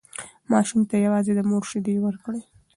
ماشوم ته یوازې د مور شیدې ورکړئ.